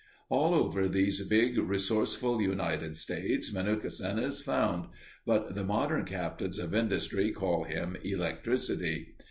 All over these big, resourceful United States, Menuhkesen is found, but the modern captains of industry call him "Electricity."